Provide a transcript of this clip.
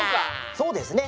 そうですね。